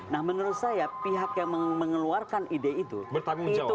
nah menurut saya pihak yang mengeluarkan ide itu